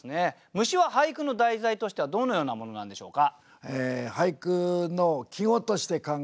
「虫」は俳句の題材としてはどのようなものなんでしょうか？